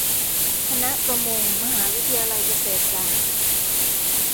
คณะประมง มหาวิทยาลัยเกษตรศาสตร์